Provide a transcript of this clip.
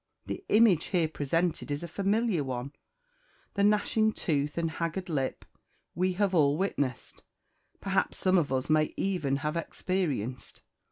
The image here presented is a familiar one; 'the gnashing tooth' and 'haggard lip' we have all witnessed, perhaps some of us may even have experienced.